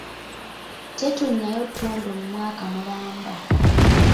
Tetonnyayo ttondo mu mwaka mulamba.